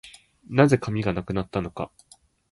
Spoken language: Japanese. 何故、紙がなくなったのか